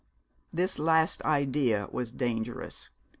This last idea was dangerous.